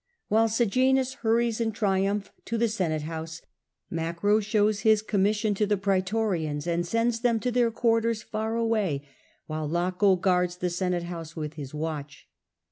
While Sejanus hurries in triumph to the Senate House, Macro shows his commission to the praetorians and sends them to their quarters far away, while Laco guards the Senate House with his watch.